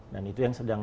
dan itu yang sedang